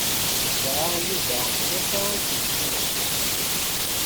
Yesεa Yuba tlata iselkimen.